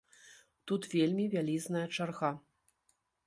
Тут вельмі вялізная чарга.